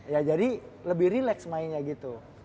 ya jadi lebih relax mainnya gitu